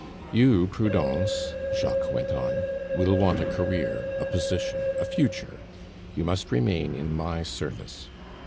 "You, Prudence," Jacques went on, "will want a career, a position, a future; you must remain in my service.